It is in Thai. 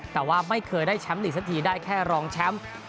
แต่ว่าไม่เคยได้แชมป์ลีกสักทีได้แค่รองแชมป์